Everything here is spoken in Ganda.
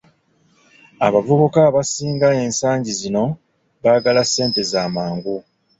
Abavubuka abasinga ensangi zino baagala ssente zamangu